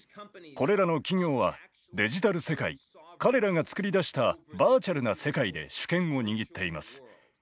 これらの企業はデジタル世界彼らが創り出したバーチャルな世界で主権を握っています。